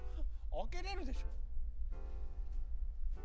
開けれるでしょ。